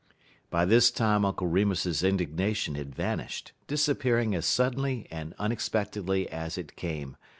By this time Uncle Remus's indignation had vanished, disappearing as suddenly and unexpectedly as it came.